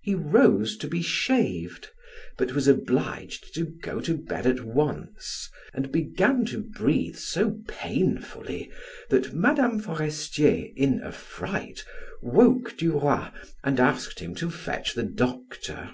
He rose to be shaved, but was obliged to go to bed at once, and began to breathe so painfully that Mme. Forestier in affright woke Duroy and asked him to fetch the doctor.